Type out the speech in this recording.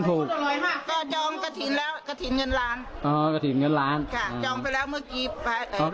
จองไปแล้วเมื่อกี้